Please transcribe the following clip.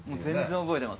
覚えてます？